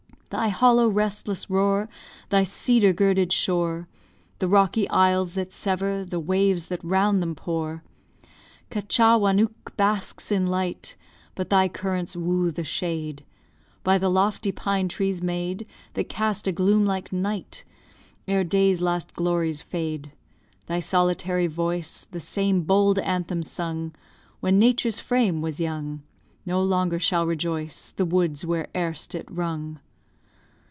Thy hollow restless roar, Thy cedar girded shore; The rocky isles that sever, The waves that round them pour. Katchawanook basks in light, But thy currents woo the shade By the lofty pine trees made, That cast a gloom like night, Ere day's last glories fade. Thy solitary voice The same bold anthem sung When Nature's frame was young. No longer shall rejoice The woods where erst it rung!